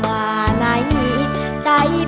เพราะเธอชอบเมือง